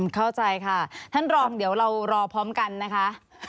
เข้าใจค่ะท่านรองเดี๋ยวเรารอพร้อมกันนะคะ